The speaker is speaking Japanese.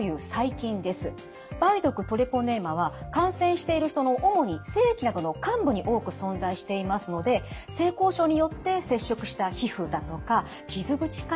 梅毒トレポネーマは感染している人の主に性器などの患部に多く存在していますので性交渉によって接触した皮膚だとか傷口から感染していきます。